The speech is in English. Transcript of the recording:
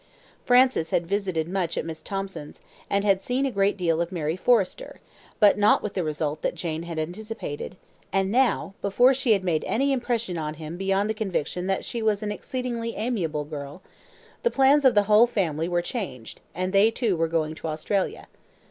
Francis had visited much at Miss Thomson's, and had Seen a great deal of Mary Forrester, but not with the result that Jane had anticipated; and now, before she had made any impression on him beyond the conviction that she was an exceedingly amiable girl, the plans of the whole family were changed, and they, too, were going to Australia.